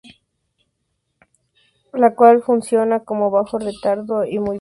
La cual funciona con bajo retardo y muy bien.